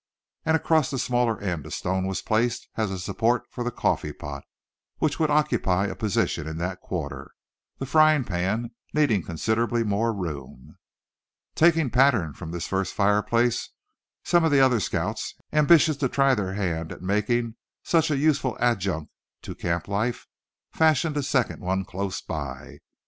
And across the smaller end a stone was placed as a support for the coffee pot which would occupy a position in that quarter, the frying pan needing considerably more room. Taking pattern from this first fireplace some of the other scouts, ambitious to try their hand at making such a useful adjunct to camp life, fashioned a second one close by.